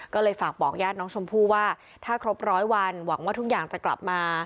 ก็เลยฝากบอกญาติน้องชมพู่ว่าถ้าครบร้อยวันหวังว่าทุกอย่างจะกลับมา